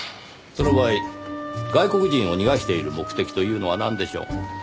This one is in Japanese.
その場合外国人を逃がしている目的というのはなんでしょう？